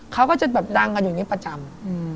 เขาก็จะแบบดังกันอยู่อย่างนี้ประจำ